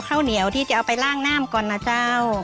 ข้าวเหนียวที่จะเอาไปล่างน้ำก่อนนะเจ้า